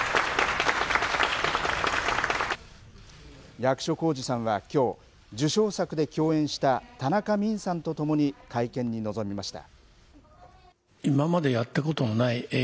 役所広司さんはきょう、受賞作で共演した田中泯さんと共に会見に臨みました。